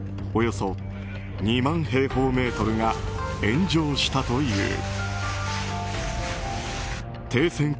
およそ２万平方メートルが炎上したという。